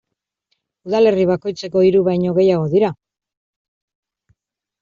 Udalerri bakoitzeko hiru baino gehiago dira.